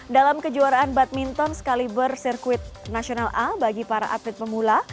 dalam kejuaraan badminton sekaliber sirkuit nasional a bagi para atlet pemula